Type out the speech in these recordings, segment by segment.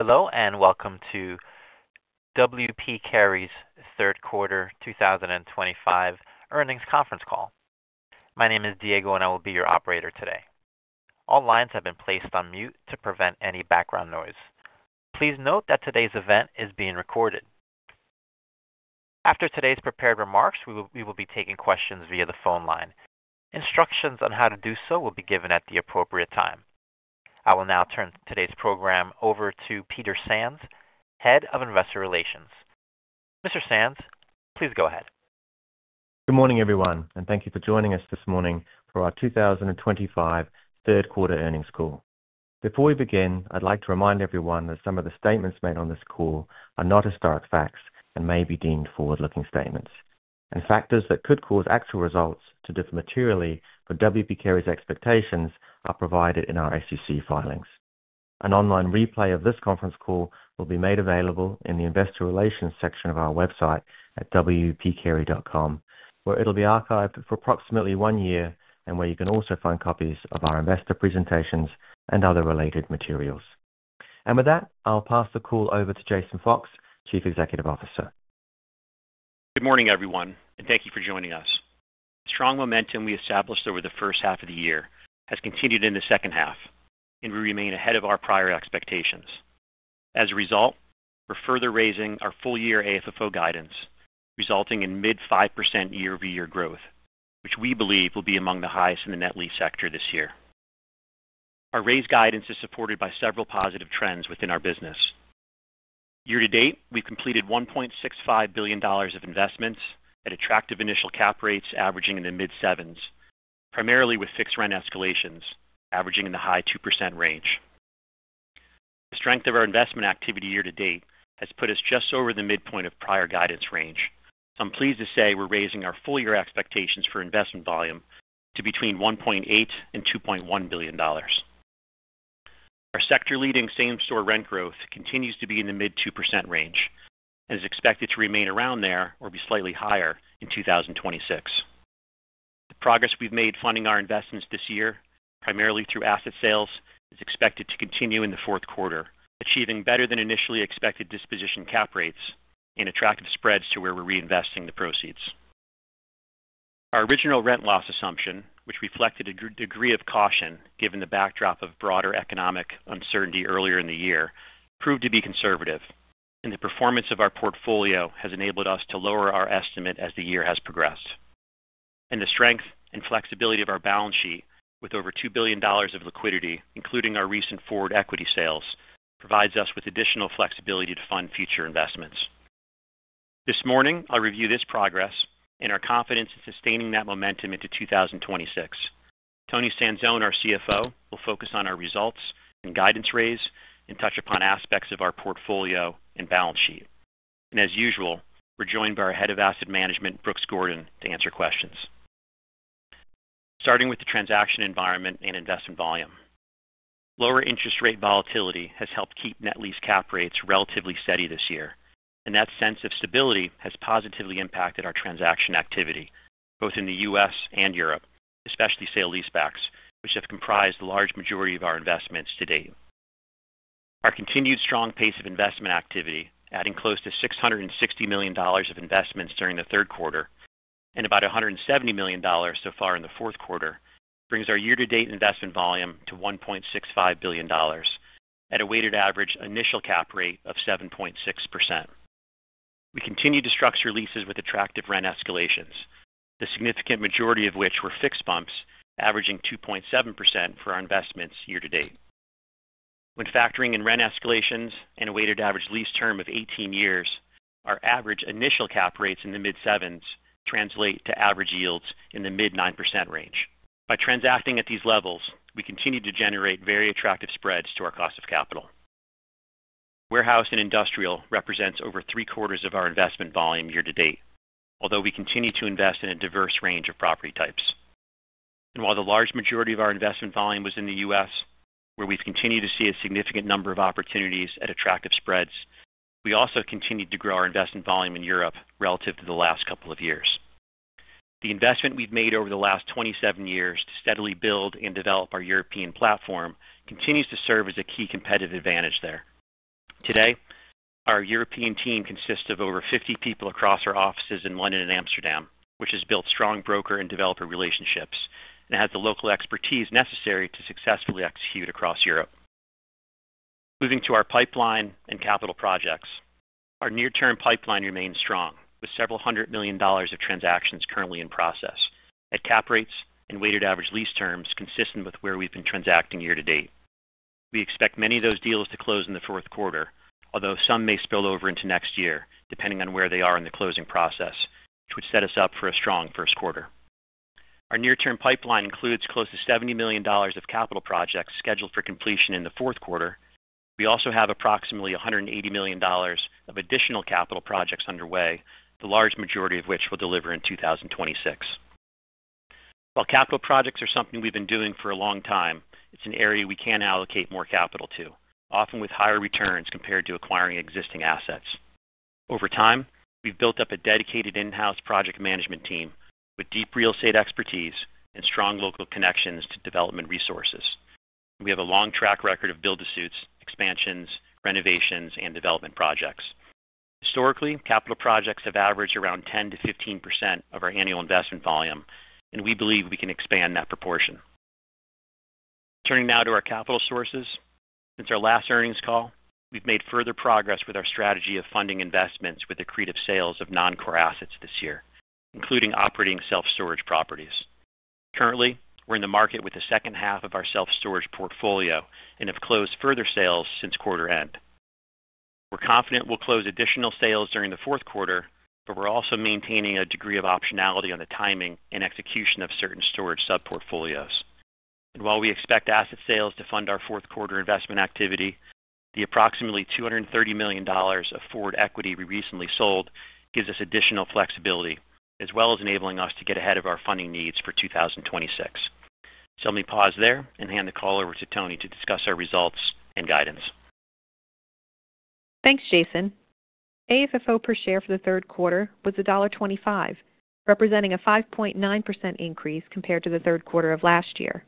Hello, and welcome to W. P. Carey’s third quarter 2025 earnings conference call. My name is Diego, and I will be your operator today. All lines have been placed on mute to prevent any background noise. Please note that today's event is being recorded. After today's prepared remarks, we will be taking questions via the phone line. Instructions on how to do so will be given at the appropriate time. I will now turn today's program over to Peter Sands, Head of Investor Relations. Mr. Sands, please go ahead. Good morning, everyone, and thank you for joining us this morning for our 2025 third quarter earnings call. Before we begin, I'd like to remind everyone that some of the statements made on this call are not historic facts and may be deemed forward-looking statements. Factors that could cause actual results to differ materially from W. P. Carey's expectations are provided in our SEC filings. An online replay of this conference call will be made available in the Investor Relations section of our website at wpcarey.com, where it'll be archived for approximately one year and where you can also find copies of our investor presentations and other related materials. With that, I'll pass the call over to Jason Fox, Chief Executive Officer. Good morning, everyone, and thank you for joining us. The strong momentum we established over the first half of the year has continued in the second half, and we remain ahead of our prior expectations. As a result, we're further raising our full-year AFFO guidance, resulting in mid-5% year-over-year growth, which we believe will be among the highest in the net lease sector this year. Our raised guidance is supported by several positive trends within our business. Year to date, we've completed $1.65 billion of investments at attractive initial cap rates averaging in the mid-7%, primarily with fixed rent escalations averaging in the high 2% range. The strength of our investment activity year to date has put us just over the midpoint of prior guidance range, so I'm pleased to say we're raising our full-year expectations for investment volume to between $1.8 billion and $2.1 billion. Our sector-leading same-store rent growth continues to be in the mid-2% range and is expected to remain around there or be slightly higher in 2026. The progress we've made funding our investments this year, primarily through asset sales, is expected to continue in the fourth quarter, achieving better than initially expected disposition cap rates and attractive spreads to where we're reinvesting the proceeds. Our original rent loss assumption, which reflected a degree of caution given the backdrop of broader economic uncertainty earlier in the year, proved to be conservative, and the performance of our portfolio has enabled us to lower our estimate as the year has progressed. The strength and flexibility of our balance sheet, with over $2 billion of liquidity, including our recent forward equity sales, provides us with additional flexibility to fund future investments. This morning, I'll review this progress and our confidence in sustaining that momentum into 2026. Toni Sanzone, our CFO, will focus on our results and guidance raise and touch upon aspects of our portfolio and balance sheet. As usual, we're joined by our Head of Asset Management, Brooks Gordon, to answer questions. Starting with the transaction environment and investment volume, lower interest rate volatility has helped keep net lease cap rates relatively steady this year, and that sense of stability has positively impacted our transaction activity, both in the U.S. and Europe, especially sale lease-backs, which have comprised the large majority of our investments to date. Our continued strong pace of investment activity, adding close to $660 million of investments during the third quarter and about $170 million so far in the fourth quarter, brings our year-to-date investment volume to $1.65 billion at a weighted average initial cap rate of 7.6%. We continue to structure leases with attractive rent escalations, the significant majority of which were fixed bumps, averaging 2.7% for our investments year to date. When factoring in rent escalations and a weighted average lease term of 18 years, our average initial cap rates in the mid-sevens translate to average yields in the mid-9% range. By transacting at these levels, we continue to generate very attractive spreads to our cost of capital. Warehouse and industrial represents over three-quarters of our investment volume year to date, although we continue to invest in a diverse range of property types. While the large majority of our investment volume was in the U.S., where we've continued to see a significant number of opportunities at attractive spreads, we also continued to grow our investment volume in Europe relative to the last couple of years. The investment we've made over the last 27 years to steadily build and develop our European platform continues to serve as a key competitive advantage there. Today, our European team consists of over 50 people across our offices in London and Amsterdam, which has built strong broker and developer relationships and has the local expertise necessary to successfully execute across Europe. Moving to our pipeline and capital projects, our near-term pipeline remains strong, with several hundred million dollars of transactions currently in process at cap rates and weighted average lease terms consistent with where we've been transacting year to date. We expect many of those deals to close in the fourth quarter, although some may spill over into next year, depending on where they are in the closing process, which would set us up for a strong first quarter. Our near-term pipeline includes close to $70 million of capital projects scheduled for completion in the fourth quarter. We also have approximately $180 million of additional capital projects underway, the large majority of which will deliver in 2026. While capital projects are something we've been doing for a long time, it's an area we can allocate more capital to, often with higher returns compared to acquiring existing assets. Over time, we've built up a dedicated in-house project management team with deep real estate expertise and strong local connections to development resources. We have a long track record of build-to-suits, expansions, renovations, and development projects. Historically, capital projects have averaged around 10%-15% of our annual investment volume, and we believe we can expand that proportion. Turning now to our capital sources, since our last earnings call, we've made further progress with our strategy of funding investments with accretive sales of non-core assets this year, including operating self-storage properties. Currently, we're in the market with the second half of our self-storage portfolio and have closed further sales since quarter end. We're confident we'll close additional sales during the fourth quarter, while we're also maintaining a degree of optionality on the timing and execution of certain storage sub-portfolios. While we expect asset sales to fund our fourth quarter investment activity, the approximately $230 million of forward equity we recently sold gives us additional flexibility, as well as enabling us to get ahead of our funding needs for 2026. Let me pause there and hand the call over to Toni to discuss our results and guidance. Thanks, Jason. AFFO per share for the third quarter was $1.25, representing a 5.9% increase compared to the third quarter of last year.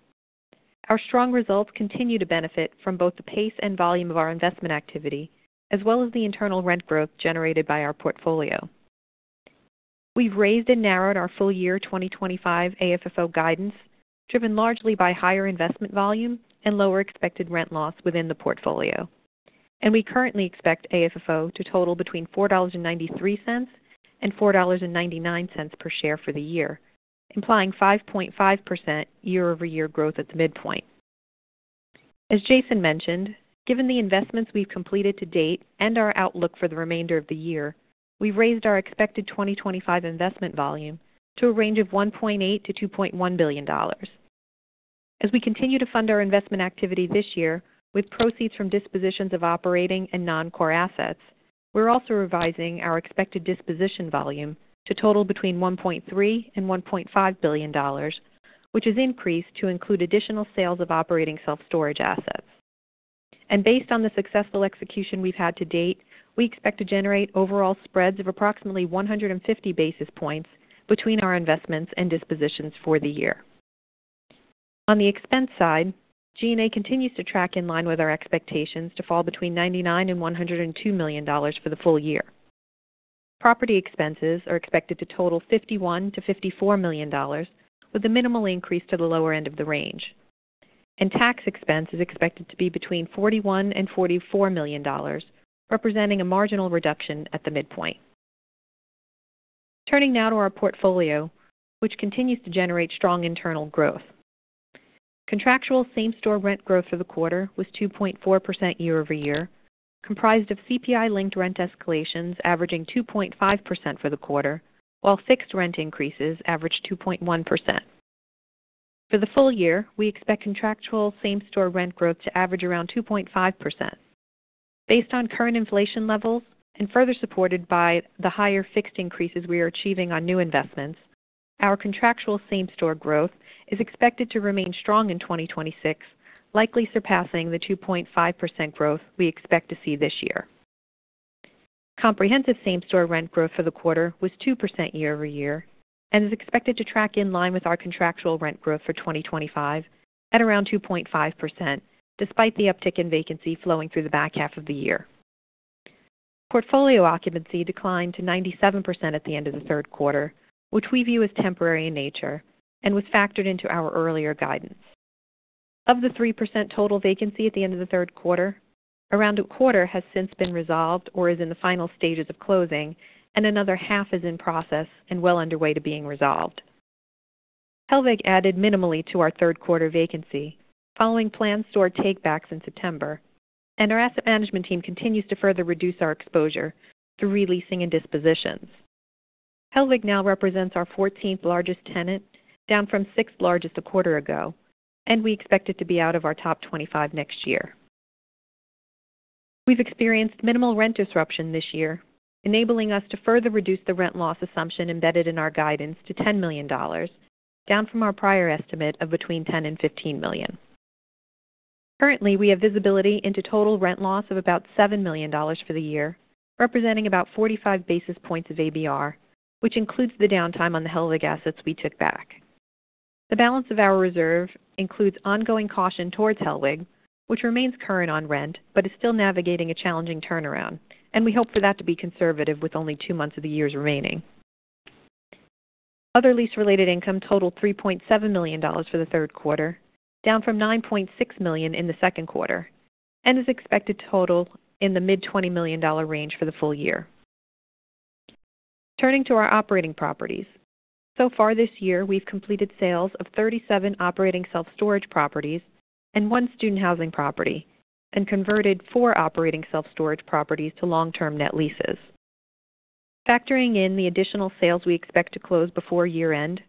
Our strong results continue to benefit from both the pace and volume of our investment activity, as well as the internal rent growth generated by our portfolio. We have raised and narrowed our full-year 2025 AFFO guidance, driven largely by higher investment volume and lower expected rent loss within the portfolio. We currently expect AFFO to total between $4.93 and $4.99 per share for the year, implying 5.5% year-over-year growth at the midpoint. As Jason mentioned, given the investments we have completed to date and our outlook for the remainder of the year, we have raised our expected 2025 investment volume to a range of $1.8 billion-$2.1 billion. As we continue to fund our investment activity this year with proceeds from dispositions of operating and non-core assets, we are also revising our expected disposition volume to total between $1.3 billion and $1.5 billion, which is increased to include additional sales of operating self-storage assets. Based on the successful execution we have had to date, we expect to generate overall spreads of approximately 150 basis points between our investments and dispositions for the year. On the expense side, G&A continues to track in line with our expectations to fall between $99 million and $102 million for the full year. Property expenses are expected to total $51 million-$54 million, with a minimal increase to the lower end of the range. Tax expense is expected to be between $41 million and $44 million, representing a marginal reduction at the midpoint. Turning now to our portfolio, which continues to generate strong internal growth. Contractual same-store rent growth for the quarter was 2.4% year-over-year, comprised of CPI-linked rent escalations averaging 2.5% for the quarter, while fixed rent increases averaged 2.1%. For the full year, we expect contractual same-store rent growth to average around 2.5%. Based on current inflation levels and further supported by the higher fixed increases we are achieving on new investments, our contractual same-store growth is expected to remain strong in 2026, likely surpassing the 2.5% growth we expect to see this year. Comprehensive same-store rent growth for the quarter was 2% year-over-year and is expected to track in line with our contractual rent growth for 2025 at around 2.5%, despite the uptick in vacancy flowing through the back half of the year. Portfolio occupancy declined to 97% at the end of the third quarter, which we view as temporary in nature and was factored into our earlier guidance. Of the 3% total vacancy at the end of the third quarter, around a quarter has since been resolved or is in the final stages of closing, and another half is in process and well underway to being resolved. Hellweg added minimally to our third quarter vacancy following planned store takebacks in September, and our Asset Management team continues to further reduce our exposure through releasing and dispositions. Hellweg now represents our 14th largest tenant, down from sixth largest a quarter ago, and we expect it to be out of our top 25 next year. We've experienced minimal rent disruption this year, enabling us to further reduce the rent loss assumption embedded in our guidance to $10 million, down from our prior estimate of between $10 million and $15 million. Currently, we have visibility into total rent loss of about $7 million for the year, representing about 45 basis points of ABR, which includes the downtime on the Hellweg assets we took back. The balance of our reserve includes ongoing caution towards Hellweg, which remains current on rent but is still navigating a challenging turnaround, and we hope for that to be conservative with only two months of the year remaining. Other lease-related income totaled $3.7 million for the third quarter, down from $9.6 million in the second quarter, and is expected to total in the mid-$20 million range for the full year. Turning to our operating properties, so far this year, we've completed sales of 37 operating self-storage properties and one student housing property and converted four operating self-storage properties to long-term net leases. Factoring in the additional sales we expect to close before year end,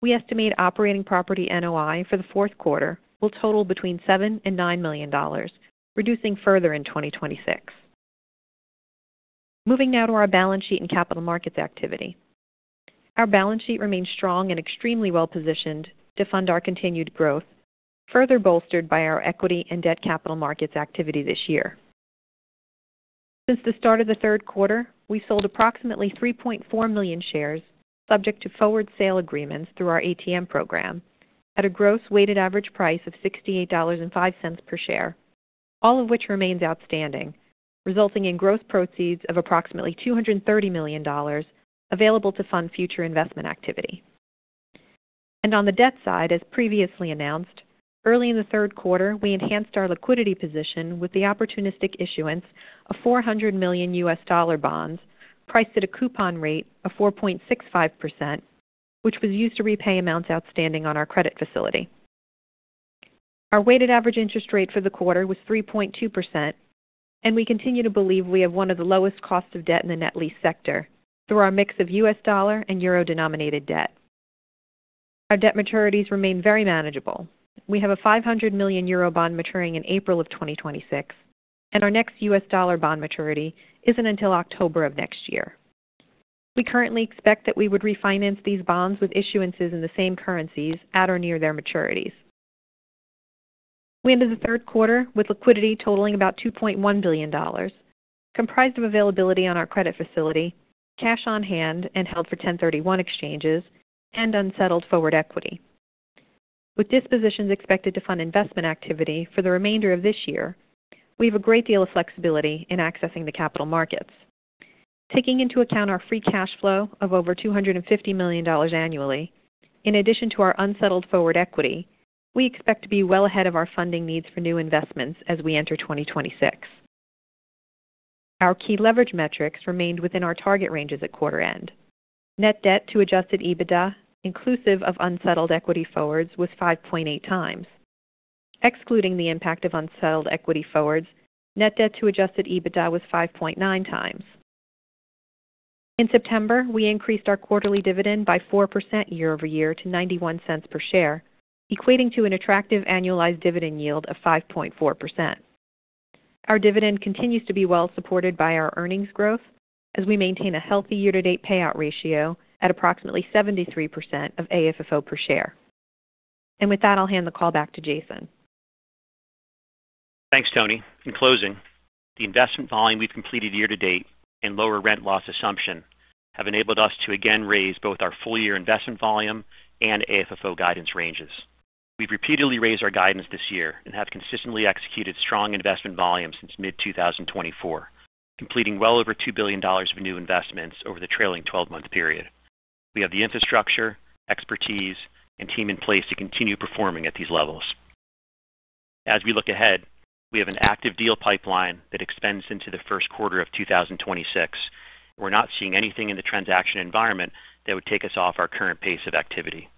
we estimate operating property NOI for the fourth quarter will total between $7 million and $9 million, reducing further in 2026. Moving now to our balance sheet and capital markets activity. Our balance sheet remains strong and extremely well-positioned to fund our continued growth, further bolstered by our equity and debt capital markets activity this year. Since the start of the third quarter, we sold approximately 3.4 million shares subject to forward sale agreements through our ATM program at a gross weighted average price of $68.05 per share, all of which remains outstanding, resulting in gross proceeds of approximately $230 million available to fund future investment activity. On the debt side, as previously announced, early in the third quarter, we enhanced our liquidity position with the opportunistic issuance of $400 million U.S. dollar bonds priced at a coupon rate of 4.65%, which was used to repay amounts outstanding on our credit facility. Our weighted average interest rate for the quarter was 3.2%, and we continue to believe we have one of the lowest costs of debt in the net lease sector through our mix of U.S. dollar and euro-denominated debt. Our debt maturities remain very manageable. We have a 500 million euro bond maturing in April of 2026, and our next U.S. dollar bond maturity isn't until October of next year. We currently expect that we would refinance these bonds with issuances in the same currencies at or near their maturities. We ended the third quarter with liquidity totaling about $2.1 billion, comprised of availability on our credit facility, cash on hand and held for 1031 exchanges, and unsettled forward equity. With dispositions expected to fund investment activity for the remainder of this year, we have a great deal of flexibility in accessing the capital markets. Taking into account our free cash flow of over $250 million annually, in addition to our unsettled forward equity, we expect to be well ahead of our funding needs for new investments as we enter 2026. Our key leverage metrics remained within our target ranges at quarter end. Net debt to adjusted EBITDA, inclusive of unsettled equity forwards, was 5.8x. Excluding the impact of unsettled equity forwards, net debt to adjusted EBITDA was 5.9x. In September, we increased our quarterly dividend by 4% year-over-year to $0.91 per share, equating to an attractive annualized dividend yield of 5.4%. Our dividend continues to be well supported by our earnings growth, as we maintain a healthy year-to-date payout ratio at approximately 73% of AFFO per share. With that, I'll hand the call back to Jason. Thanks, Toni. In closing, the investment volume we've completed year to date and lower rent loss assumption have enabled us to again raise both our full-year investment volume and AFFO guidance ranges. We've repeatedly raised our guidance this year and have consistently executed strong investment volumes since mid-2024, completing well over $2 billion of new investments over the trailing 12-month period. We have the infrastructure, expertise, and team in place to continue performing at these levels. As we look ahead, we have an active deal pipeline that extends into the first quarter of 2026, and we're not seeing anything in the transaction environment that would take us off our current pace of activity.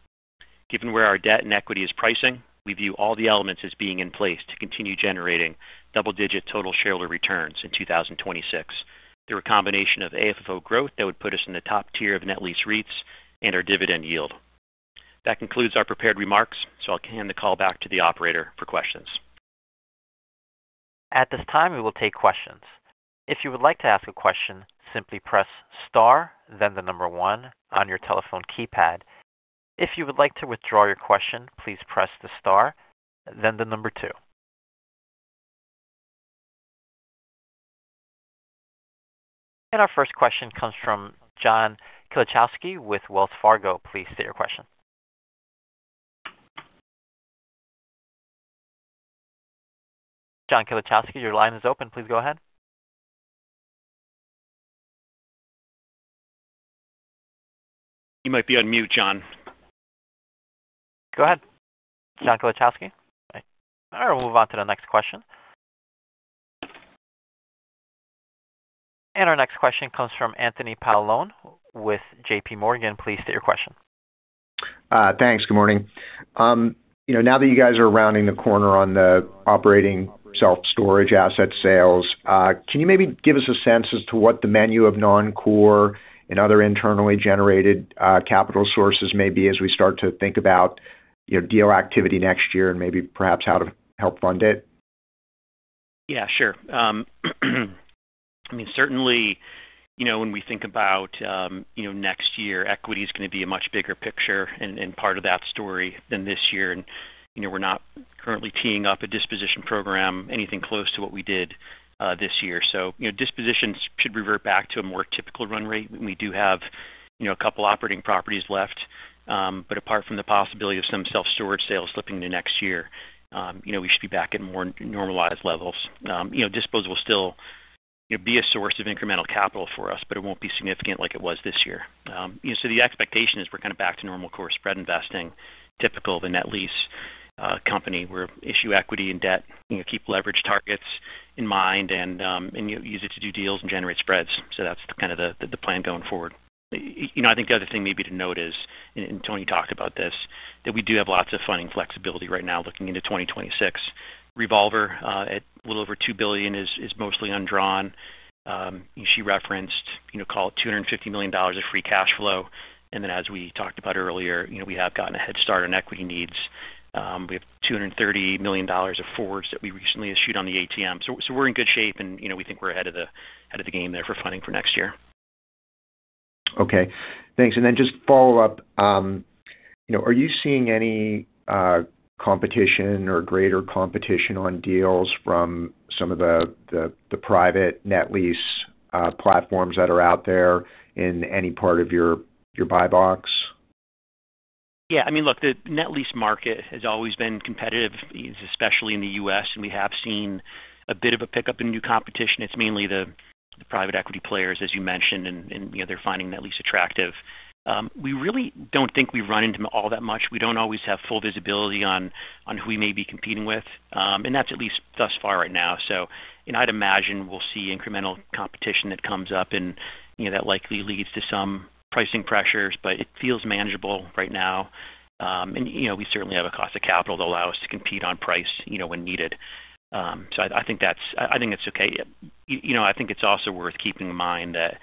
Given where our debt and equity is pricing, we view all the elements as being in place to continue generating double-digit total shareholder returns in 2026 through a combination of AFFO growth that would put us in the top tier of net lease REITs and our dividend yield. That concludes our prepared remarks, so I'll hand the call back to the operator for questions. At this time, we will take questions. If you would like to ask a question, simply press star, then the number one on your telephone keypad. If you would like to withdraw your question, please press the star, then the number two. Our first question comes from John Kilichowski with Wells Fargo. Please state your question. John Kilichowski, your line is open. Please go ahead. You might be on mute, John. Go ahead. John Kilichowski. All right, we'll move on to the next question. Our next question comes from Anthony Paolone with JPMorgan. Please state your question. Thanks. Good morning. Now that you guys are rounding the corner on the operating self-storage asset sales, can you maybe give us a sense as to what the menu of non-core and other internally generated capital sources may be as we start to think about deal activity next year and perhaps how to help fund it? Yeah. Sure. Certainly, when we think about next year, equity is going to be a much bigger picture and part of that story than this year. We're not currently teeing up a disposition program, anything close to what we did this year. Dispositions should revert back to a more typical run rate. We do have a couple of operating properties left, but apart from the possibility of some self-storage sales slipping into next year, we should be back at more normalized levels. Disposal will still be a source of incremental capital for us, but it won't be significant like it was this year. The expectation is we're kind of back to normal core spread investing, typical of a net lease company where we issue equity and debt, keep leverage targets in mind, and use it to do deals and generate spreads. That's kind of the plan going forward. I think the other thing maybe to note is, and Toni talked about this, that we do have lots of funding flexibility right now looking into 2026. Revolver at a little over $2 billion is mostly undrawn. She referenced, call it $250 million of free cash flow. As we talked about earlier, we have gotten a head start on equity needs. We have $230 million of forwards that we recently issued on the ATM. We're in good shape, and we think we're ahead of the game there for funding for next year. Okay. Thanks. Just follow up. Are you seeing any competition or greater competition on deals from some of the private net lease platforms that are out there in any part of your buy box? Yeah. The net lease market has always been competitive, especially in the U.S., and we have seen a bit of a pickup in new competition. It's mainly the private equity players, as you mentioned, and they're finding that lease attractive. We really don't think we run into all that much. We don't always have full visibility on who we may be competing with, and that's at least thus far right now. I'd imagine we'll see incremental competition that comes up, and that likely leads to some pricing pressures, but it feels manageable right now. We certainly have a cost of capital to allow us to compete on price when needed, so I think that's okay. I think it's also worth keeping in mind that,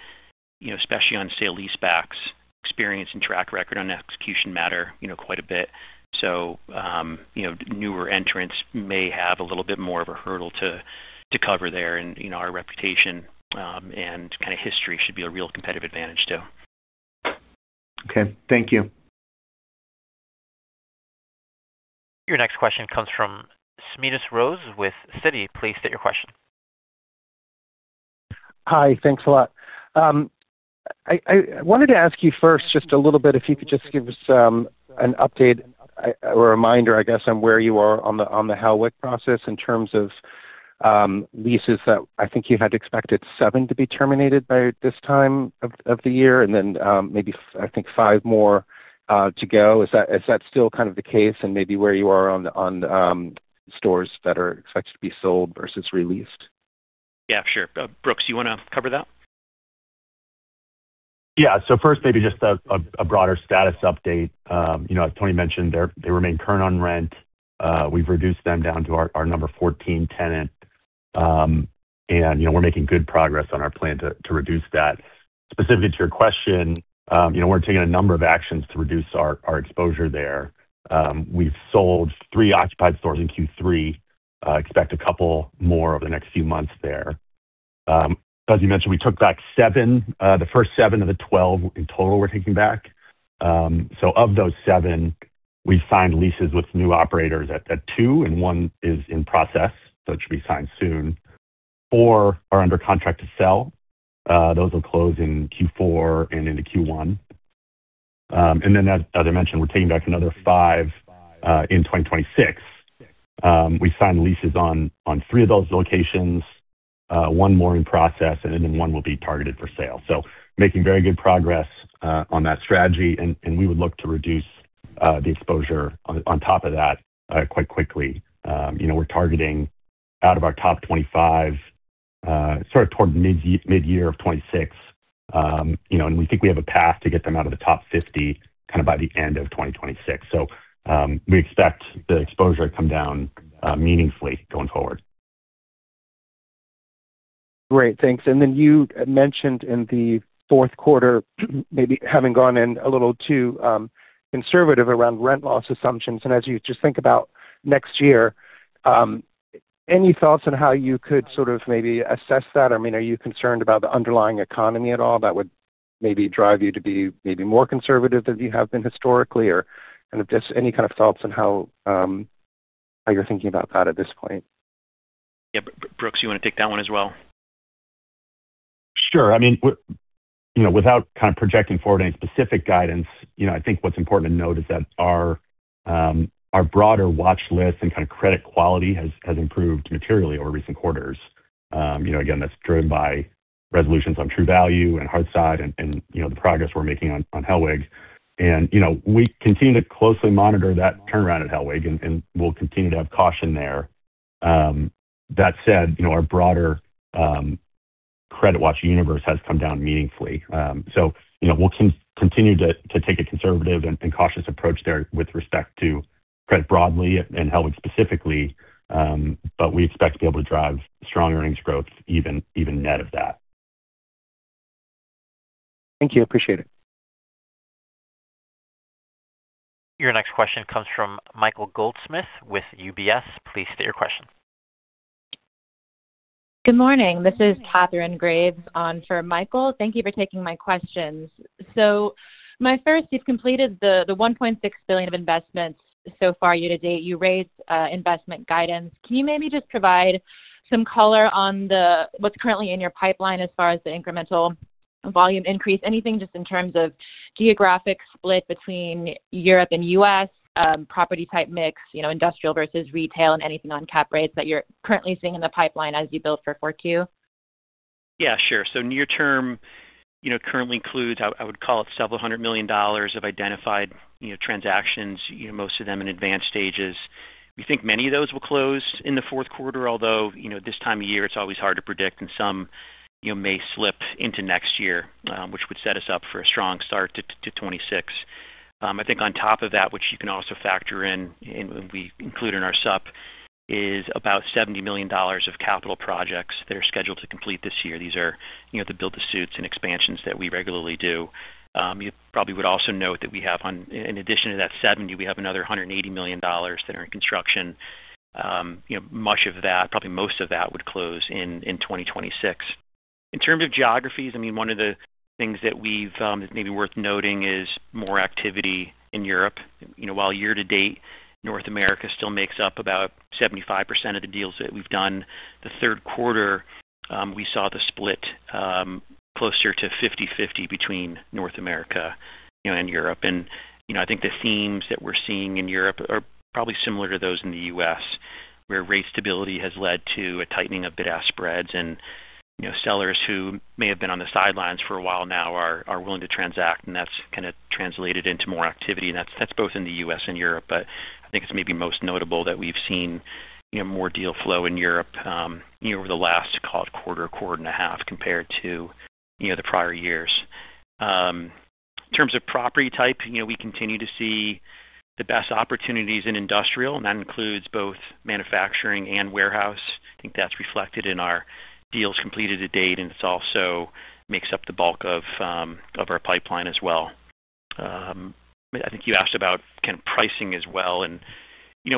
especially on, say, lease-backs, experience and track record on execution matter quite a bit. Newer entrants may have a little bit more of a hurdle to cover there, and our reputation and kind of history should be a real competitive advantage too. Okay. Thank you. Your next question comes from Smedes Rose with Citi. Please state your question. Hi. Thanks a lot. I wanted to ask you first just a little bit if you could just give us an update or a reminder, I guess, on where you are on the Hellweg process in terms of leases that I think you had expected seven to be terminated by this time of the year, and then maybe, I think, five more to go. Is that still kind of the case and maybe where you are on stores that are expected to be sold versus released? Yeah. Sure. Brooks, you want to cover that? Yeah. First, maybe just a broader status update. You know, as Toni mentioned, they remain current on rent. We've reduced them down to our number 14 tenant, and you know, we're making good progress on our plan to reduce that. Specifically to your question, we're taking a number of actions to reduce our exposure there. We've sold three occupied stores in Q3 and expect a couple more over the next few months there. As you mentioned, we took back seven, the first seven of the 12 in total we're taking back. Of those seven, we've signed leases with new operators at two, and one is in process, so it should be signed soon. Four are under contract to sell. Those will close in Q4 and into Q1. As I mentioned, we're taking back another five in 2026. We signed leases on three of those locations, one more in process, and one will be targeted for sale. Making very good progress on that strategy, and we would look to reduce the exposure on top of that quite quickly. We're targeting out of our top 25 sort of toward mid-year of 2026, and we think we have a path to get them out of the top 50 kind of by the end of 2026. We expect the exposure to come down meaningfully going forward. Great. Thanks. You mentioned in the fourth quarter maybe having gone in a little too conservative around rent loss assumptions. As you think about next year, any thoughts on how you could sort of maybe assess that? I mean, are you concerned about the underlying economy at all that would maybe drive you to be more conservative than you have been historically, or just any kind of thoughts on how you're thinking about that at this point? Yeah. Brooks, you want to take that one as well? Sure. I mean, without kind of projecting forward any specific guidance, I think what's important to note is that our broader watch list and kind of credit quality has improved materially over recent quarters. Again, that's driven by resolutions on True Value and Hearthside and the progress we're making on Hellweg. We continue to closely monitor that turnaround at Hellweg, and we'll continue to have caution there. That said, our broader credit watch universe has come down meaningfully. We'll continue to take a conservative and cautious approach there with respect to credit broadly and Hellweg specifically, but we expect to be able to drive strong earnings growth even net of that. Thank you. Appreciate it. Your next question comes from Michael Goldsmith with UBS. Please state your question. Good morning. This is Kathryn Graves on for Michael. Thank you for taking my questions. My first, you've completed the $1.6 billion of investments so far year to date. You raised investment guidance. Can you maybe just provide some color on what's currently in your pipeline as far as the incremental volume increase? Anything in terms of geographic split between Europe and U.S., property type mix, you know, industrial versus retail, and anything on cap rates that you're currently seeing in the pipeline as you build for 4Q? Yeah. Sure. Near term, currently includes, I would call it, several hundred million dollars of identified transactions, most of them in advanced stages. We think many of those will close in the fourth quarter, although this time of year, it's always hard to predict, and some may slip into next year, which would set us up for a strong start to 2026. On top of that, which you can also factor in and we include in our SUP, is about $70 million of capital projects that are scheduled to complete this year. These are the build-to-suits and expansions that we regularly do. You probably would also note that we have, in addition to that $70 million, another $180 million that are in construction. Much of that, probably most of that, would close in 2026. In terms of geographies, one of the things that's maybe worth noting is more activity in Europe. While year to date, North America still makes up about 75% of the deals that we've done, the third quarter, we saw the split closer to 50/50 between North America and Europe. The themes that we're seeing in Europe are probably similar to those in the U.S., where rate stability has led to a tightening of bid-ask spreads. Sellers who may have been on the sidelines for a while now are willing to transact, and that's kind of translated into more activity. That's both in the U.S. and Europe. It's maybe most notable that we've seen more deal flow in Europe over the last, call it, quarter or quarter and a half compared to the prior years. In terms of property type, we continue to see the best opportunities in industrial, and that includes both manufacturing and warehouse. I think that's reflected in our deals completed to date, and it also makes up the bulk of our pipeline as well. You asked about kind of pricing as well.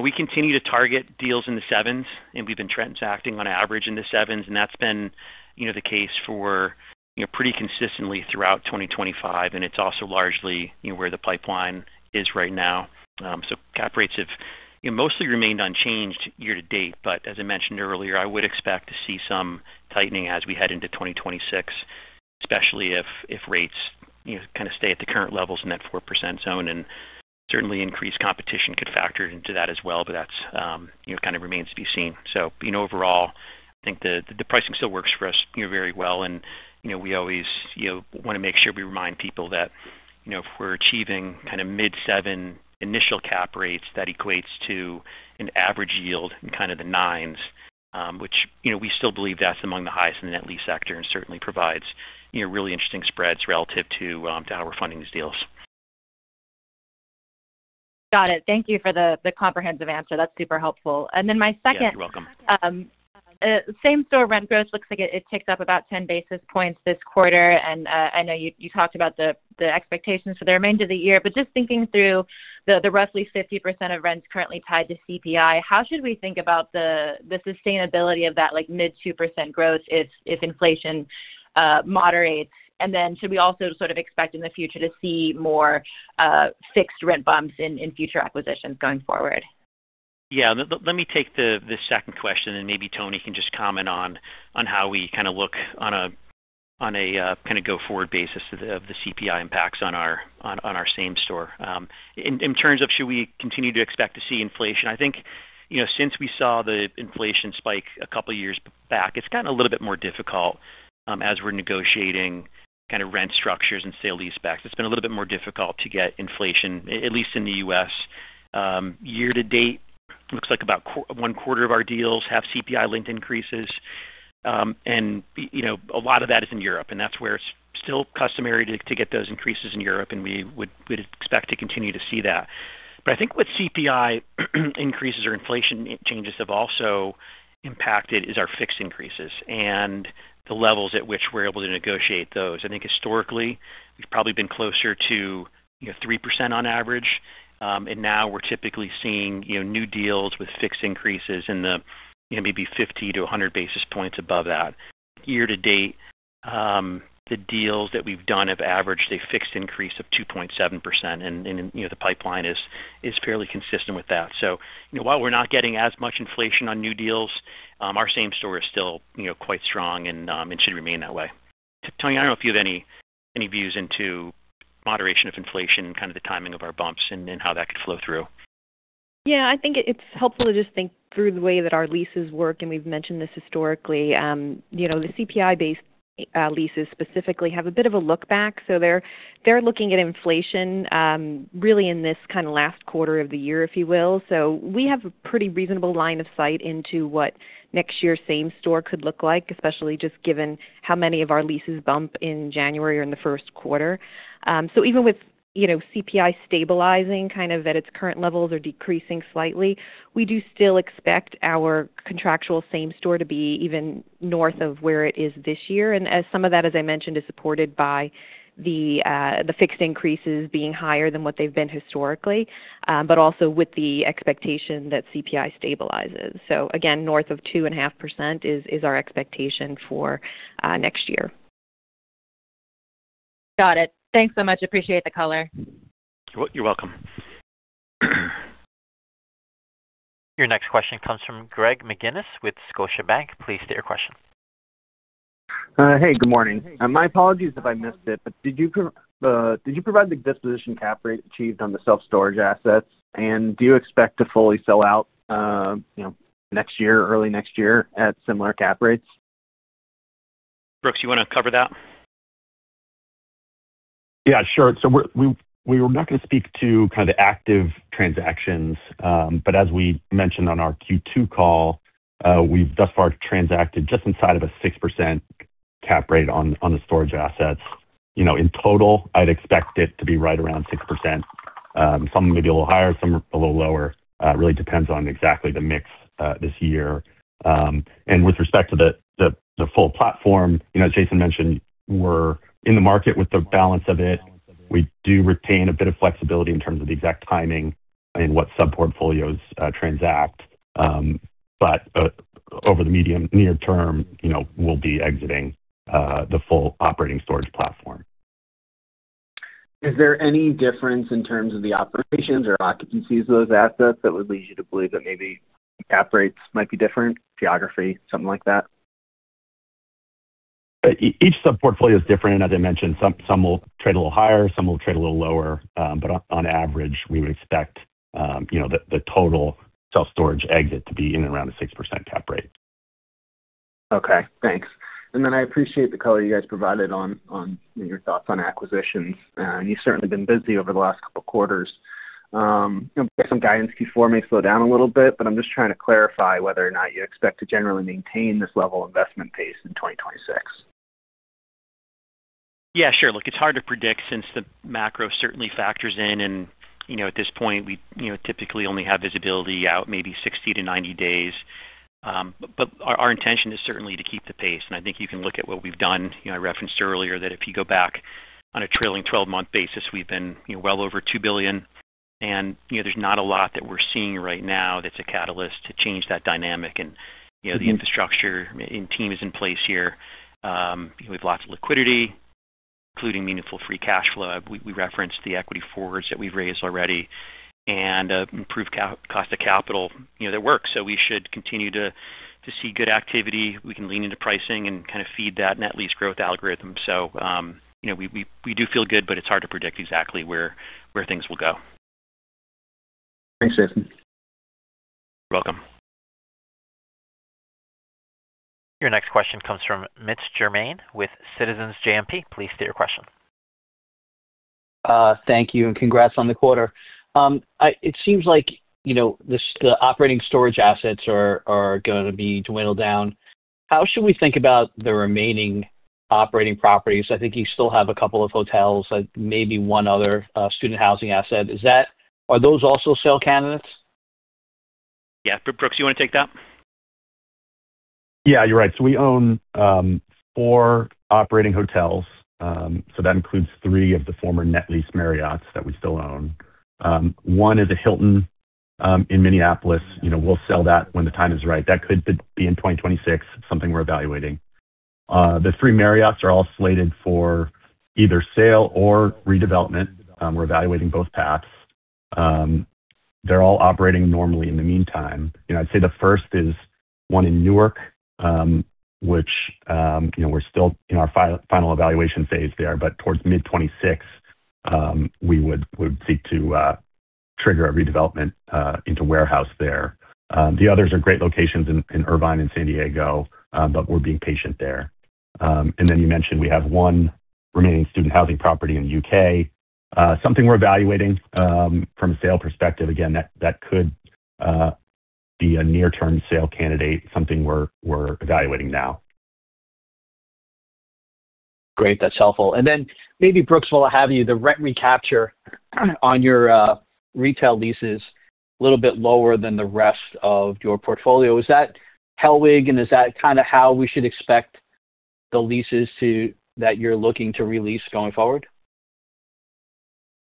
We continue to target deals in the sevens, and we've been transacting on average in the sevens, and that's been the case pretty consistently throughout 2025. It's also largely where the pipeline is right now. Cap rates have mostly remained unchanged year to date. As I mentioned earlier, I would expect to see some tightening as we head into 2026, especially if rates kind of stay at the current levels in that 4% zone. Certainly, increased competition could factor into that as well, but that kind of remains to be seen. Overall, I think the pricing still works for us very well. We always want to make sure we remind people that if we're achieving kind of mid-7% initial cap rates, that equates to an average yield in kind of the 9% range, which we still believe is among the highest in the net lease sector and certainly provides really interesting spreads relative to how we're funding these deals. Got it. Thank you for the comprehensive answer. That's super helpful. My second. You're welcome. Same-store rent growth looks like it ticks up about 10 basis points this quarter. I know you talked about the expectations for the remainder of the year, but just thinking through the roughly 50% of rents currently tied to CPI, how should we think about the sustainability of that mid-2% growth if inflation moderates? Should we also expect in the future to see more fixed rent bumps in future acquisitions going forward? Yeah. Let me take the second question, and maybe Toni can just comment on how we kind of look on a go-forward basis of the CPI impacts on our same store. In terms of should we continue to expect to see inflation, I think, you know, since we saw the inflation spike a couple of years back, it's gotten a little bit more difficult as we're negotiating rent structures and sale lease-backs. It's been a little bit more difficult to get inflation, at least in the U.S. Year to date, it looks like about one quarter of our deals have CPI-linked increases. A lot of that is in Europe, and that's where it's still customary to get those increases in Europe, and we would expect to continue to see that. I think what CPI increases or inflation changes have also impacted is our fixed increases and the levels at which we're able to negotiate those. I think historically, we've probably been closer to 3% on average, and now we're typically seeing new deals with fixed increases in the maybe 50 basis points-100 basis points above that. Year to date, the deals that we've done have averaged a fixed increase of 2.7%, and the pipeline is fairly consistent with that. While we're not getting as much inflation on new deals, our same store is still quite strong and should remain that way. Toni, I don't know if you have any views into moderation of inflation, the timing of our bumps, and how that could flow through. Yeah. I think it's helpful to just think through the way that our leases work, and we've mentioned this historically. You know, the CPI-based leases specifically have a bit of a look back. They're looking at inflation really in this kind of last quarter of the year, if you will. We have a pretty reasonable line of sight into what next year's same-store could look like, especially just given how many of our leases bump in January or in the first quarter. Even with CPI stabilizing kind of at its current levels or decreasing slightly, we do still expect our contractual same-store to be even north of where it is this year. Some of that, as I mentioned, is supported by the fixed increases being higher than what they've been historically, but also with the expectation that CPI stabilizes. Again, north of 2.5% is our expectation for next year. Got it. Thanks so much. Appreciate the color. You're welcome. Your next question comes from Greg McGinniss with Scotiabank. Please state your question. Hey, good morning. My apologies if I missed it, but did you provide the disposition cap rate achieved on the self-storage assets? Do you expect to fully sell out next year, early next year at similar cap rates? Brooks, you want to cover that? Yeah. Sure. We're not going to speak to kind of the active transactions, but as we mentioned on our Q2 call, we've thus far transacted just inside of a 6% cap rate on the storage assets. In total, I'd expect it to be right around 6%. Some may be a little higher, some a little lower. It really depends on exactly the mix this year. With respect to the full platform, as Jason mentioned, we're in the market with the balance of it. We do retain a bit of flexibility in terms of the exact timing and what sub-portfolios transact. Over the medium near term, we'll be exiting the full operating storage platform. Is there any difference in terms of the operations or occupancies of those assets that would lead you to believe that maybe cap rates might be different, geography, something like that? Each sub-portfolio is different. As I mentioned, some will trade a little higher, some will trade a little lower. On average, we would expect the total self-storage exit to be in and around a 6% cap rate. Okay. Thanks. I appreciate the color you guys provided on your thoughts on acquisitions. You've certainly been busy over the last couple of quarters. Some guidance Q4 may slow down a little bit, but I'm just trying to clarify whether or not you expect to generally maintain this level of investment pace in 2026. Yeah. Sure. Look, it's hard to predict since the macro certainly factors in. At this point, we typically only have visibility out maybe 60 days-90 days. Our intention is certainly to keep the pace. I think you can look at what we've done. I referenced earlier that if you go back on a trailing 12-month basis, we've been well over $2 billion. There's not a lot that we're seeing right now that's a catalyst to change that dynamic. The infrastructure and team is in place here. We have lots of liquidity, including meaningful free cash flow. We referenced the equity forwards that we've raised already and improved cost of capital. That works. We should continue to see good activity. We can lean into pricing and kind of feed that net lease growth algorithm. We do feel good, but it's hard to predict exactly where things will go. Thanks, Jason. You're welcome. Your next question comes from Mitch Germain with Citizens JMP. Please state your question. Thank you. Congrats on the quarter. It seems like the operating storage assets are going to be dwindled down. How should we think about the remaining operating properties? I think you still have a couple of hotels, maybe one other student housing asset. Are those also sale candidates? Yeah. Brooks, you want to take that? Yeah. You're right. We own four operating hotels. That includes three of the former net lease Marriotts that we still own. One is a Hilton in Minneapolis. We'll sell that when the time is right. That could be in 2026, something we're evaluating. The three Marriotts are all slated for either sale or redevelopment. We're evaluating both paths. They're all operating normally in the meantime. I'd say the first is one in Newark, which we're still in our final evaluation phase there. Towards mid-2026, we would seek to trigger a redevelopment into warehouse there. The others are great locations in Irvine and San Diego, but we're being patient there. You mentioned we have one remaining student housing property in the U.K., something we're evaluating from a sale perspective. That could be a near-term sale candidate, something we're evaluating now. Great. That's helpful. Maybe, Brooks, while I have you, the rent recapture on your retail leases is a little bit lower than the rest of your portfolio. Is that Hellweg, and is that kind of how we should expect the leases that you're looking to release going forward?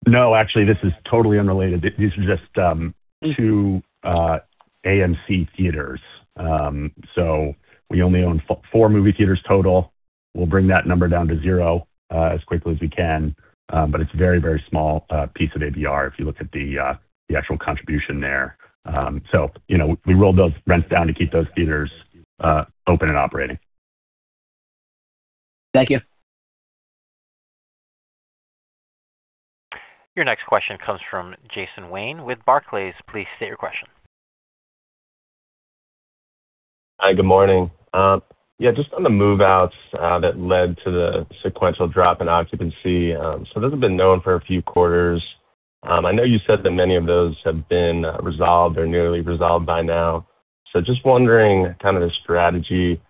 No, actually, this is totally unrelated. These are just two AMC theaters. We only own four movie theaters total. We'll bring that number down to zero as quickly as we can. It's a very, very small piece of ABR if you look at the actual contribution there. We rolled those rents down to keep those theaters open and operating. Thank you. Your next question comes from Jason Wayne with Barclays. Please state your question. Hi. Good morning. Just on the move-outs that led to the sequential drop in occupancy. Those have been known for a few quarters. I know you said that many of those have been resolved or nearly resolved by now. Just wondering kind of the strategy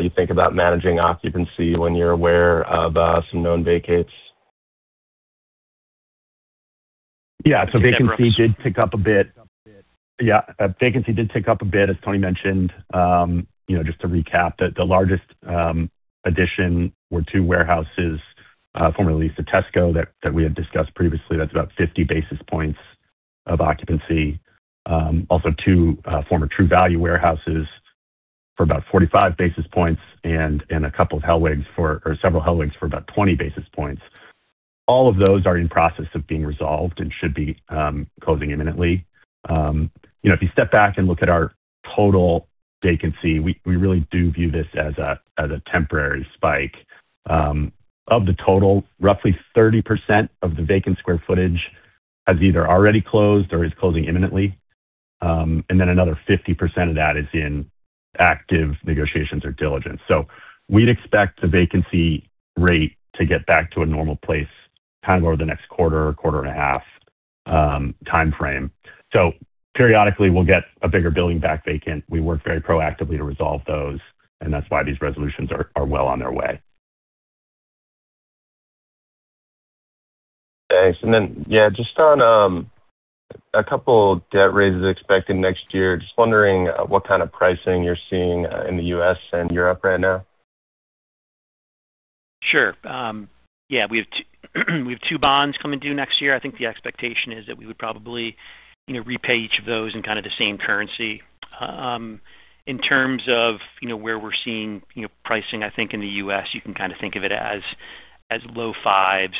you think about managing occupancy when you're aware of some known vacates. Yeah. Vacancy did tick up a bit, as Toni mentioned. Just to recap, the largest addition were two warehouses formerly leased to Tesco that we had discussed previously. That's about 50 basis points of occupancy. Also, two former True Value warehouses for about 45 basis points and several Hellwegs for about 20 basis points. All of those are in process of being resolved and should be closing imminently. If you step back and look at our total vacancy, we really do view this as a temporary spike. Of the total, roughly 30% of the vacant square footage has either already closed or is closing imminently. Another 50% of that is in active negotiations or diligence. We'd expect the vacancy rate to get back to a normal place over the next quarter or quarter and a half timeframe. Periodically, we'll get a bigger building back vacant. We work very proactively to resolve those, and that's why these resolutions are well on their way. Thanks. Just on a couple of debt raises expected next year, just wondering what kind of pricing you're seeing in the U.S. and Europe right now. Sure. Yeah. We have two bonds coming due next year. I think the expectation is that we would probably repay each of those in kind of the same currency. In terms of where we're seeing pricing, I think in the U.S., you can kind of think of it as low 5%.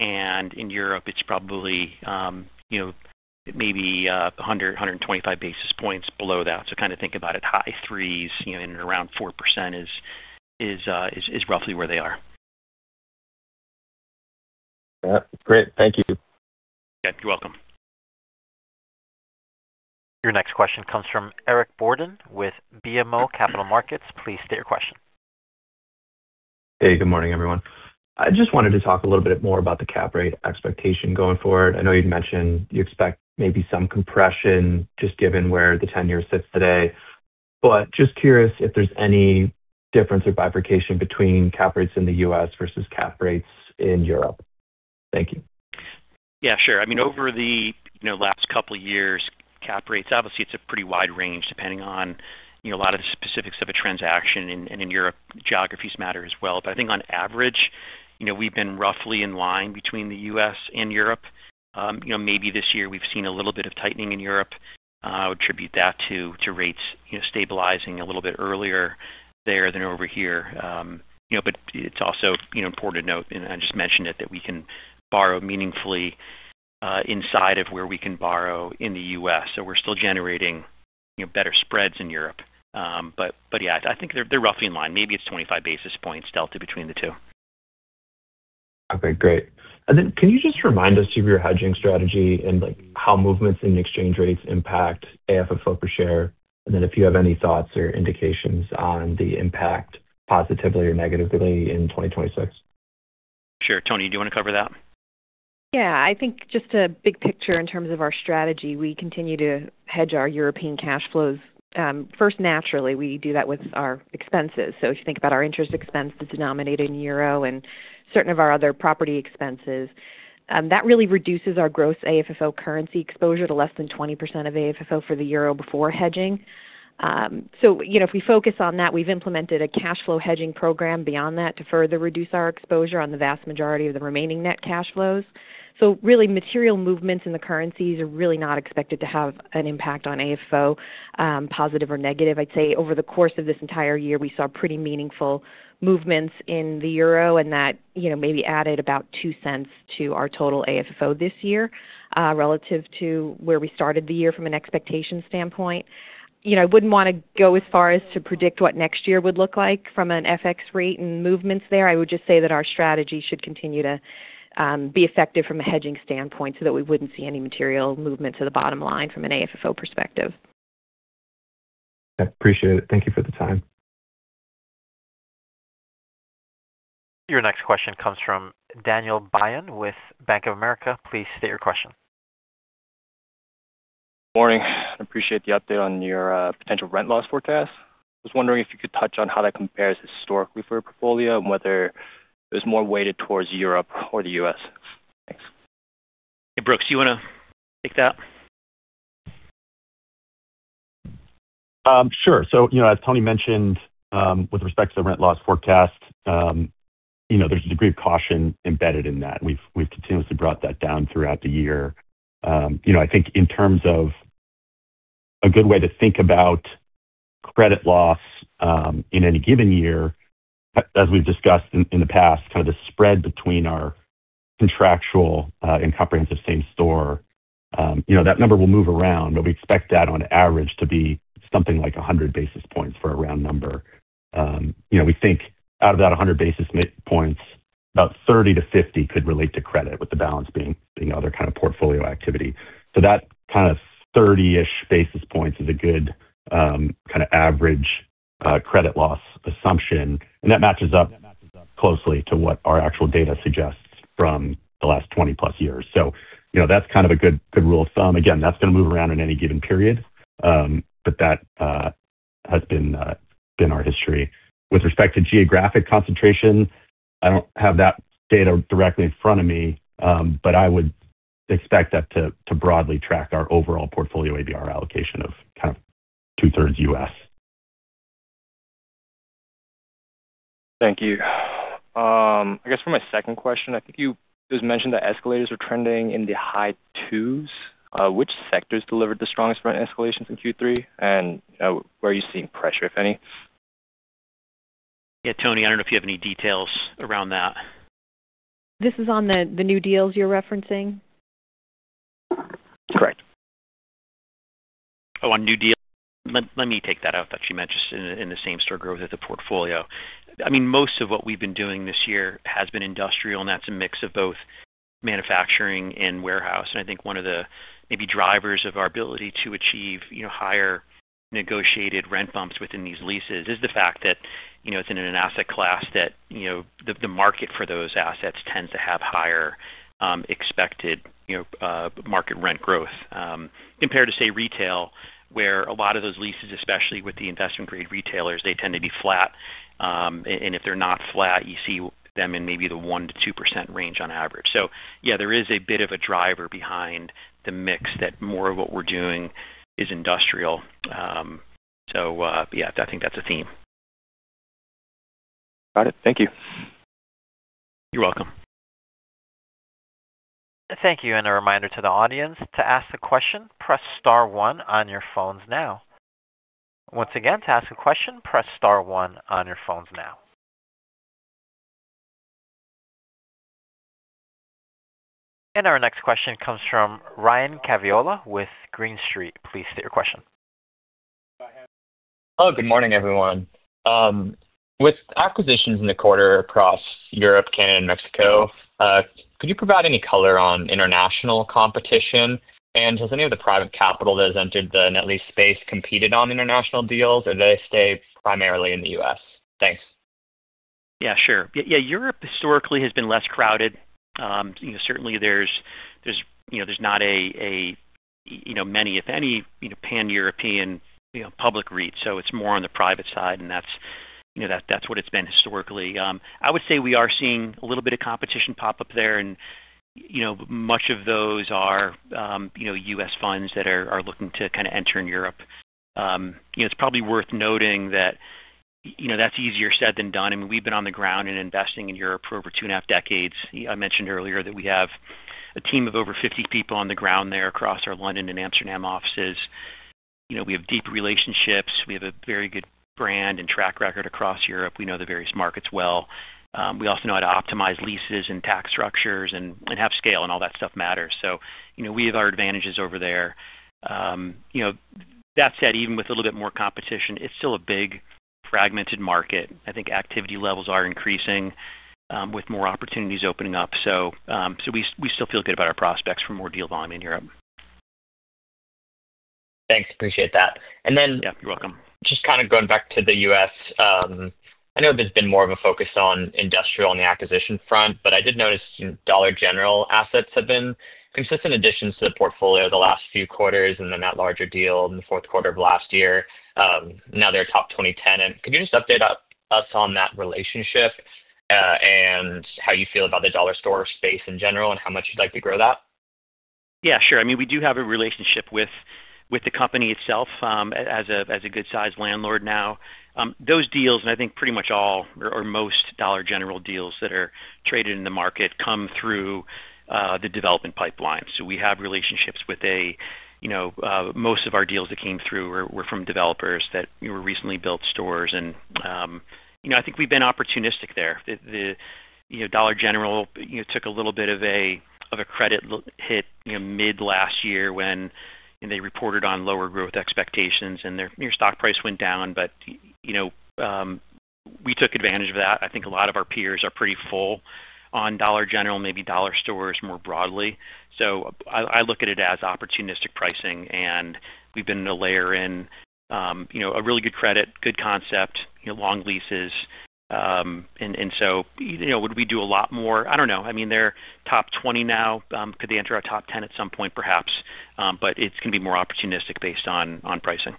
In Europe, it's probably maybe 100 basis points, 125 basis points below that. Think about it as high 3%, in and around 4% is roughly where they are. Great. Thank you. Yeah, you're welcome. Your next question comes from Eric Borden with BMO Capital Markets. Please state your question. Hey, good morning, everyone. I just wanted to talk a little bit more about the cap rate expectation going forward. I know you'd mentioned you expect maybe some compression just given where the 10-year sits today. I'm just curious if there's any difference or bifurcation between cap rates in the U.S. versus cap rates in Europe. Thank you. Yeah. Sure. I mean, over the last couple of years, cap rates, obviously, it's a pretty wide range depending on a lot of the specifics of a transaction. In Europe, geographies matter as well. I think on average, you know, we've been roughly in line between the U.S. and Europe. You know, maybe this year we've seen a little bit of tightening in Europe. I would attribute that to rates stabilizing a little bit earlier there than over here. It's also important to note, and I just mentioned it, that we can borrow meaningfully inside of where we can borrow in the U.S. We're still generating better spreads in Europe. I think they're roughly in line. Maybe it's 25 basis points delta between the two. Okay. Great. Can you just remind us of your hedging strategy and how movements in exchange rates impact AFFO per share? If you have any thoughts or indications on the impact positively or negatively in 2026. Sure. Toni, do you want to cover that? Yeah. I think just a big picture in terms of our strategy, we continue to hedge our European cash flows. First, naturally, we do that with our expenses. If you think about our interest expense, denominated in euro, and certain of our other property expenses, that really reduces our gross AFFO currency exposure to less than 20% of AFFO for the euro before hedging. If we focus on that, we've implemented a cash flow hedging program beyond that to further reduce our exposure on the vast majority of the remaining net cash flows. Material movements in the currencies are really not expected to have an impact on AFFO, positive or negative. I'd say over the course of this entire year, we saw pretty meaningful movements in the euro, and that maybe added about $0.02 to our total AFFO this year relative to where we started the year from an expectation standpoint. I wouldn't want to go as far as to predict what next year would look like from an FX rate and movements there. I would just say that our strategy should continue to be effective from a hedging standpoint so that we wouldn't see any material movement to the bottom line from an AFFO perspective. I appreciate it. Thank you for the time. Your next question comes from Daniel Bion with Bank of America. Please state your question. Morning. I appreciate the update on your potential rent loss forecast. I was wondering if you could touch on how that compares historically for your portfolio and whether it was more weighted towards Europe or the U.S. Thanks. Hey, Brooks, you want to take that? Sure. As Toni mentioned, with respect to the rent loss forecast, there's a degree of caution embedded in that. We've continuously brought that down throughout the year. I think in terms of a good way to think about credit loss in any given year, as we've discussed in the past, kind of the spread between our contractual and comprehensive same-store, that number will move around. We expect that on average to be something like 100 basis points for a round number. We think out of that 100 basis points, about 30 basis points-50 basis points could relate to credit with the balance being other kind of portfolio activity. That kind of 30-ish basis points is a good average credit loss assumption. That matches up closely to what our actual data suggests from the last 20+ years. That's kind of a good rule of thumb. Again, that's going to move around in any given period. That has been our history. With respect to geographic concentration, I don't have that data directly in front of me, but I would expect that to broadly track our overall portfolio ABR allocation of kind of 2/3 U.S. Thank you. I guess for my second question, I think it was mentioned that escalators are trending in the high 2s. Which sectors delivered the strongest rent escalations in Q3, and where are you seeing pressure, if any? Yeah, Toni, I don't know if you have any details around that. Is this on the new deals you're referencing? Correct. On new deals, let me take that out. I thought you meant just in the same-store growth of the portfolio. Most of what we've been doing this year has been industrial, and that's a mix of both manufacturing and warehouse. I think one of the drivers of our ability to achieve higher negotiated rent bumps within these leases is the fact that it's in an asset class that the market for those assets tends to have higher expected market rent growth compared to, say, retail, where a lot of those leases, especially with the investment-grade retailers, tend to be flat. If they're not flat, you see them in maybe the 1%-2% range on average. There is a bit of a driver behind the mix that more of what we're doing is industrial. I think that's a theme. Got it. Thank you. You're welcome. Thank you. A reminder to the audience, to ask a question, press star one on your phones now. Once again, to ask a question, press star one on your phones now. Our next question comes from Ryan Caviola with Green Street. Please state your question. Good morning, everyone. With acquisitions in the quarter across Europe, Canada, and Mexico, could you provide any color on international competition? Has any of the private capital that has entered the net lease space competed on international deals, or do they stay primarily in the U.S.? Thanks. Yeah. Sure. Europe historically has been less crowded. Certainly, there's not many, if any, pan-European public REITs. It's more on the private side, and that's what it's been historically. I would say we are seeing a little bit of competition pop up there, and much of those are U.S. funds that are looking to kind of enter in Europe. It's probably worth noting that that's easier said than done. I mean, we've been on the ground and investing in Europe for over two and a half decades. I mentioned earlier that we have a team of over 50 people on the ground there across our London and Amsterdam offices. We have deep relationships. We have a very good brand and track record across Europe. We know the various markets well. We also know how to optimize leases and tax structures and have scale, and all that stuff matters. We have our advantages over there. That said, even with a little bit more competition, it's still a big fragmented market. I think activity levels are increasing with more opportunities opening up. We still feel good about our prospects for more deal volume in Europe. Thanks, appreciate that. Yeah, you're welcome. Just kind of going back to the U.S., I know there's been more of a focus on industrial on the acquisition front, but I did notice Dollar General assets have been consistent additions to the portfolio the last few quarters, and then that larger deal in the fourth quarter of last year. Now they're a top 20 tenant. Could you just update us on that relationship and how you feel about the Dollar Store space in general and how much you'd like to grow that? Yeah. Sure. I mean, we do have a relationship with the company itself as a good-sized landlord now. Those deals, and I think pretty much all or most Dollar General deals that are traded in the market come through the development pipeline. We have relationships with, you know, most of our deals that came through were from developers that were recently built stores. I think we've been opportunistic there. Dollar General took a little bit of a credit hit mid-last year when they reported on lower growth expectations, and their stock price went down. We took advantage of that. I think a lot of our peers are pretty full on Dollar General, maybe Dollar Stores more broadly. I look at it as opportunistic pricing, and we've been able to layer in, you know, a really good credit, good concept, long leases. Would we do a lot more? I don't know. They're top 20 now. Could they enter our top 10 at some point, perhaps? It's going to be more opportunistic based on pricing.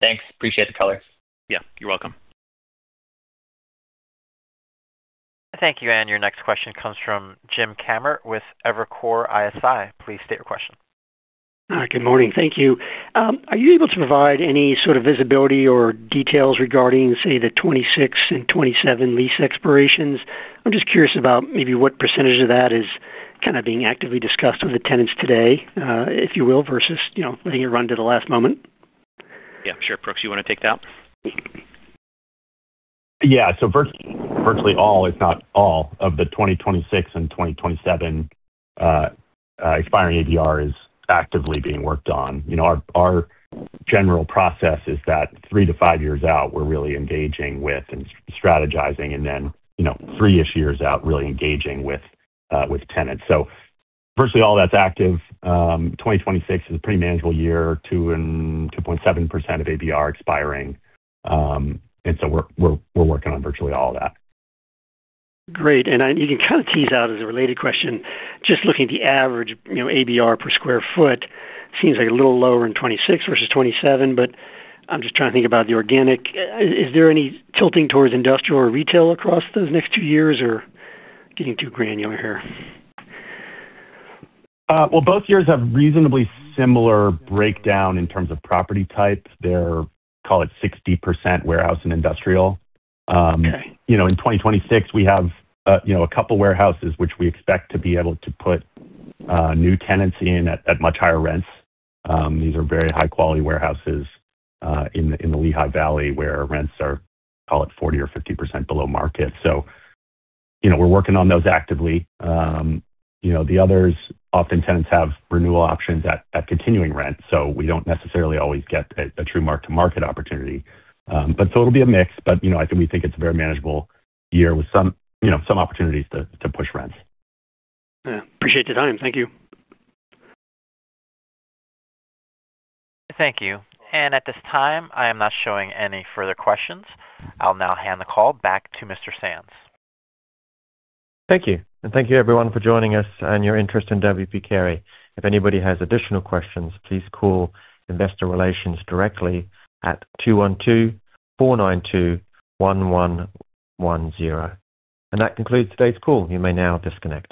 Thanks. Appreciate the color. You're welcome. Thank you. Your next question comes from Jim Kammert with Evercore ISI. Please state your question. Hi. Good morning. Thank you. Are you able to provide any sort of visibility or details regarding, say, the 2026 and 2027 lease expirations? I'm just curious about maybe what percentage of that is kind of being actively discussed with the tenants today, if you will, versus letting it run to the last moment. Yeah. Sure. Brooks, you want to take that? Yeah. Virtually all, if not all, of the 2026 and 2027 expiring ABR is actively being worked on. Our general process is that three to five years out, we're really engaging with and strategizing, and then three-ish years out really engaging with tenants. Virtually all that's active. 2026 is a pretty manageable year, 2.7% of ABR expiring. We're working on virtually all of that. Great. You can kind of tease out as a related question, just looking at the average ABR per square foot, it seems like a little lower in 2026 versus 2027, but I'm just trying to think about the organic. Is there any tilting towards industrial or retail across those next two years, or getting too granular here? Both years have reasonably similar breakdown in terms of property type. They're, call it, 60% warehouse and industrial. In 2026, we have a couple of warehouses which we expect to be able to put new tenants in at much higher rents. These are very high-quality warehouses in the Lehigh Valley where rents are, call it, 40% or 50% below market. We're working on those actively. The others, often tenants have renewal options at continuing rent. We don't necessarily always get a true mark-to-market opportunity. It'll be a mix. I think we think it's a very manageable year with some opportunities to push rents. Appreciate the time. Thank you. Thank you. At this time, I am not showing any further questions. I'll now hand the call back to Mr. Sands. Thank you. Thank you, everyone, for joining us and your interest in W. P. Carey. If anybody has additional questions, please call Investor Relations directly at 212-492-1110. That concludes today's call. You may now disconnect.